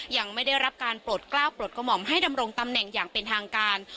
ยังไม่ได้รับการโปรดกล้าวโปรดกระหม่อมให้ดำรงตำแหน่งอย่างเป็นทางการ